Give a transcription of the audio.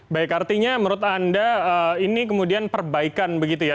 baik artinya menurut anda ini kemudian perbaikan begitu ya